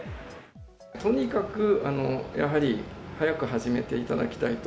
とにかくやはり早く始めていただきたいと。